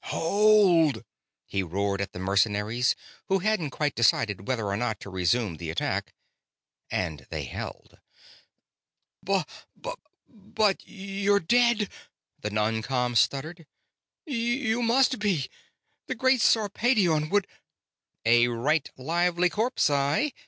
"HOLD!" he roared at the mercenaries, who hadn't quite decided whether or not to resume the attack, and they held. "Bu ... bub ... but you're dead!" the non com stuttered. "You must be the great Sarpedion would...." "A right lively corpse I!"